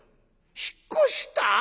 「引っ越した！？